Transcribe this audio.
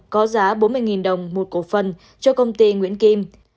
có giá bốn mươi đồng một cổ phần cho công ty nguyễn kim